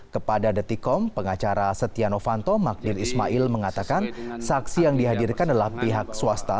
kepada detikom pengacara setia novanto magdir ismail mengatakan saksi yang dihadirkan adalah pihak swasta